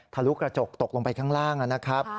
ลุกระจกตกลงไปข้างล่างนะครับ